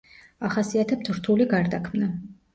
ახასიათებთ რთული გარდაქმნა.